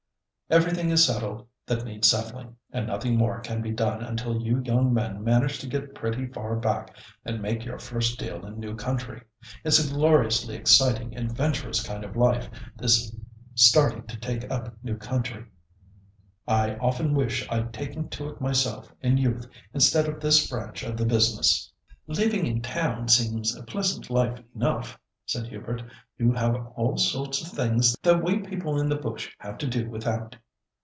"Everything is settled that needs settling, and nothing more can be done until you young men manage to get pretty far back, and make your first deal in new country. It's a gloriously exciting, adventurous kind of life, this starting to take up new country. I often wish I'd taken to it myself in youth, instead of this branch of the business." "Living in town seems a pleasant life enough," said Hubert. "You have all sorts of things that we people in the bush have to do without."